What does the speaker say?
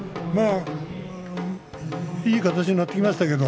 いい形になってきました。